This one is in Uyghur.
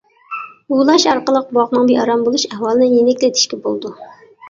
ئۇۋۇلاش ئارقىلىق بوۋاقنىڭ بىئارام بولۇش ئەھۋالىنى يېنىكلىتىشكە بولىدۇ.